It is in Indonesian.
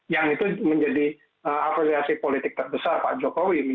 yang itu menjadi apresiasi politik terbesar pak jokowi